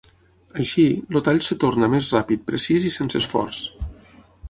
Així, el tall es torna més ràpid, precís i sense esforç.